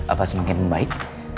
apa semakin baik